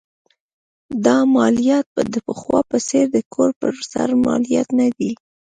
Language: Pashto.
دا مالیات د پخوا په څېر د کور پر سر مالیات نه دي.